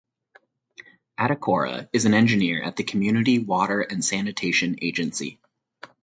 Atakora is an Engineer at the Community Water and Sanitation Agency.